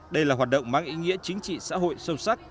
đây là hoạt động mang ý nghĩa chính trị xã hội sâu sắc